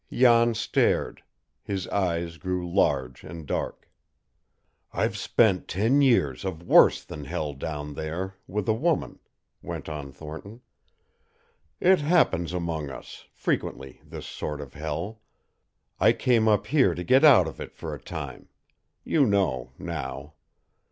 Jan stared. His eyes grew large and dark. "I've spent ten years of WORSE than hell down there with a woman," went on Thornton. "It happens among us frequently, this sort of hell. I came up here to get out of it for a time. You know now.